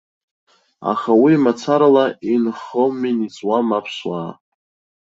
Аха уи мацарала инхоминҵуам аԥсуаа.